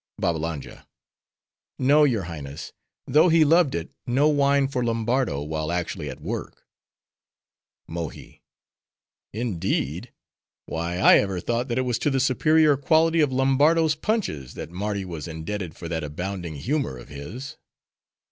BABBALANJA—No, your Highness; though he loved it, no wine for Lombardo while actually at work. MOHI—Indeed? Why, I ever thought that it was to the superior quality of Lombardo's punches, that Mardi was indebted for that abounding humor of his.